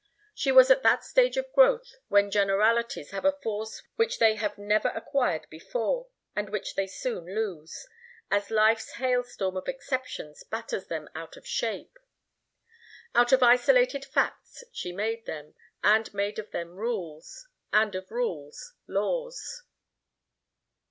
She was at that stage of growth when generalities have a force which they have never acquired before and which they soon lose, as life's hailstorm of exceptions batters them out of shape. Out of isolated facts she made them, and made of them rules, and of rules, laws.